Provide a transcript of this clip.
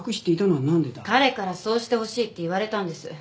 彼からそうしてほしいって言われたんです。